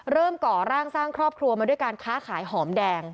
ก่อร่างสร้างครอบครัวมาด้วยการค้าขายหอมแดง